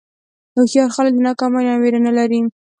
هوښیار خلک د ناکامۍ نه وېره نه لري.